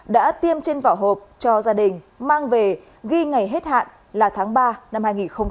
đã tiêm trên vỏ hộp cho gia đình mang về ghi ngày hết hạn là tháng ba năm hai nghìn hai mươi